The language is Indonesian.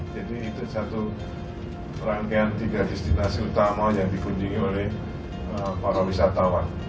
jadi itu satu rangkaian tiga destinasi utama yang digunjungi oleh para wisatawan